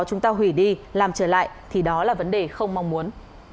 chúng ta hủy đi làm trở lại thì đó là vấn đề không mong muốn